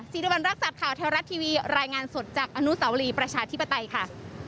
สิริวัณรักษัตริย์ข่าวแท้รัฐทีวีรายงานสดจากอนุสาวรีประชาธิปไตยค่ะ